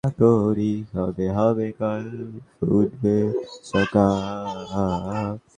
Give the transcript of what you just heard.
ভারত থেকে বইগুলি নিরাপদে এসে পৌঁছেছে এবং তার জন্য আমাকে কোন শুল্ক দিতে হয়নি।